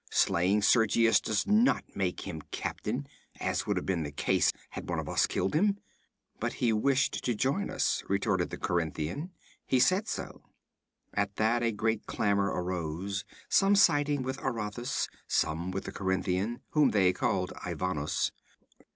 Slaying Sergius does not make him captain, as would have been the case had one of us killed him.' 'But he wished to join us,' retorted the Corinthian. 'He said so.' At that a great clamor arose, some siding with Aratus, some with the Corinthian, whom they called Ivanos.